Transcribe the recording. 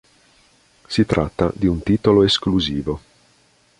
Si tratta di un titolo esclusivo.